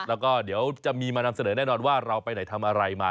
แล้วก็เดี๋ยวจะมีมานำเสนอแน่นอนว่าเราไปไหนทำอะไรมา